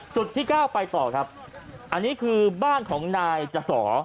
จุดที่เก้าไปต่อครับอันนี้คือบ้านของนายจสอ